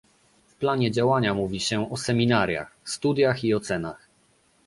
W planie działania mówi się o seminariach, studiach i ocenach